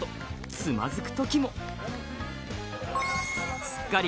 つまずくときも。